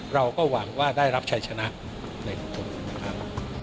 เราก็หวังว่าได้รับชัยชนะในทุกคนนะครับ